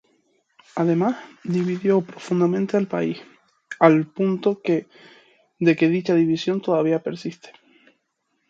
Además, dividió profundamente al país, al punto de que dicha división todavía persiste.